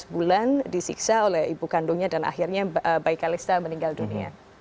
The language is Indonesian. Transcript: empat belas bulan disiksa oleh ibu kandungnya dan akhirnya bayi kalista meninggal dunia